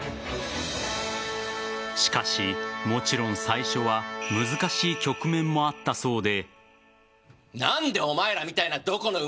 しかし、もちろん最初は難しい局面もあったそうで。